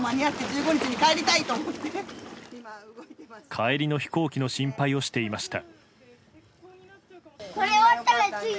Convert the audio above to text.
帰りの飛行機の心配をしていました。